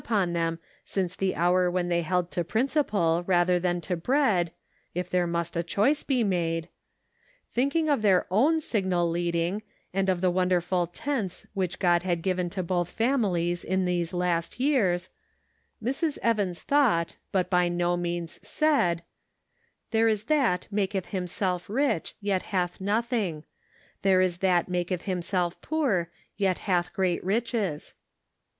upon them since the hour when they held to principle rather than to bread (if there must a choice be made), thinking of their own signal leading, and of the wonderful " tenths " which God had given to both families in these last years — Mrs. Evans thought, but by no means said :" There is that maketh himself rich, yet hath nothing. There is that maketh himself poor, yet hath great riches."